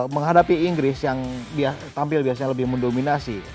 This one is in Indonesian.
menghadapi inggris yang tampil biasanya lebih mendominasi